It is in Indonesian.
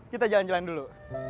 kita jalan jalan dulu